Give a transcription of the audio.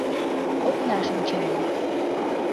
Окнаш ончале.